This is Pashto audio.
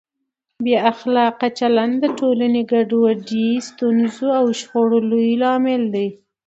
بې اخلاقه چلند د ټولنې ګډوډۍ، ستونزو او شخړو لوی لامل دی.